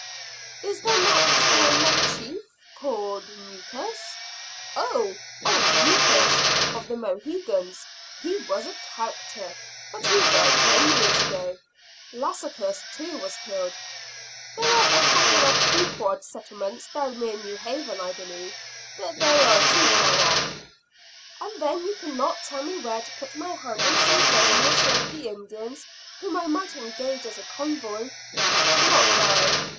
"Is there not another chief, called Nucas?" "Oh, old Nucas, of the Mohegans. He was a character! But he died ten years ago. Lassacus, too, was killed. There are a couple of Pequod settlements down near New Haven I believe; but they are too far off." "And then you could not tell me where to put my hand on some dozen or so of the Indians, whom I might engage as a convoy." "Not now.